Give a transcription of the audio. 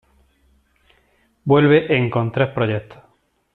Vuelve en con tres proyectos.